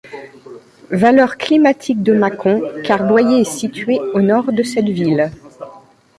Valeurs climatiques de Mâcon, car Boyer est situé au nord de cette ville.